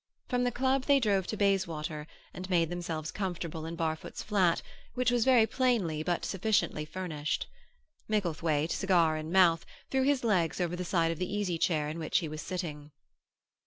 From the club they drove to Bayswater, and made themselves comfortable in Barfoot's flat, which was very plainly, but sufficiently, furnished. Micklethwaite, cigar in mouth, threw his legs over the side of the easy chair in which he was sitting.